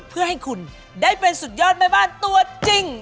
เพื่อให้คุณได้เป็นสุดยอดแม่บ้านตัวจริง